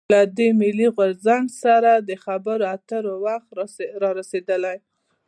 له دې «ملي غورځنګ» سره د خبرواترو وخت رارسېدلی.